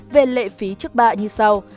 về lệ phí chức bạ như sau